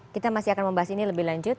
kita masih akan membahas ini lebih lanjut